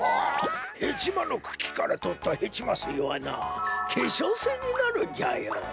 ヘチマのくきからとったヘチマすいはなけしょうすいになるんじゃよ。